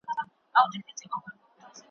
دا زيږې زيږې خبري ,